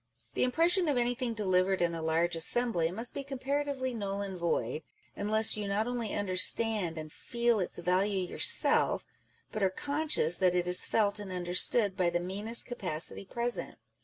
The impression of anything delivered in a large assembly must be comparatively null and void, unless you not only understand and feel its value your self, but are conscious that it is felt and understood by the meanest capacity present.